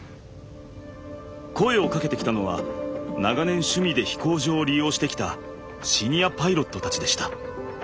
声をかけてきたのは長年趣味で飛行場を利用してきたシニアパイロットたちでした。